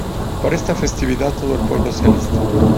Para esta festividad, todo el pueblo se alista.